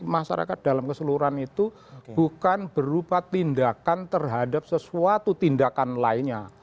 masyarakat dalam keseluruhan itu bukan berupa tindakan terhadap sesuatu tindakan lainnya